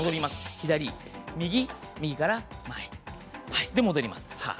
左右、右から前、戻ります。